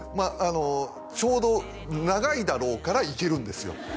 あのちょうど長いだろうから行けるんですよ